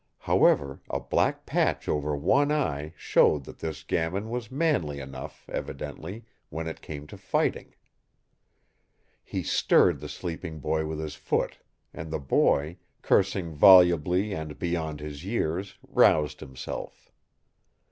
However, a black patch over one eye showed that this gamin was manly enough, evidently, when it came to fighting. He stirred the sleeping boy with his foot, and the boy, cursing volubly and beyond his years, roused himself.